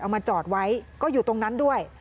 มาจอดไว้ก็อยู่ตรงนั้นด้วย